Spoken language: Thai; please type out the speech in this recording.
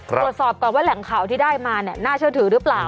ตรวจสอบก่อนว่าแหล่งข่าวที่ได้มาเนี่ยน่าเชื่อถือหรือเปล่า